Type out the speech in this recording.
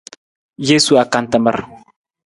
Jesu akantamar.